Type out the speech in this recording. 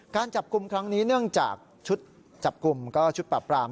การจับกลุ่มครั้งนี้เนื่องจากชุดจับกลุ่มก็ชุดปรับปราม